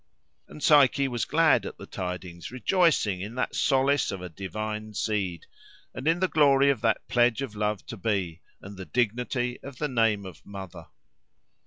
And Psyche was glad at the tidings, rejoicing in that solace of a divine seed, and in the glory of that pledge of love to be, and the dignity of the name of mother.